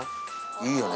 いいよね。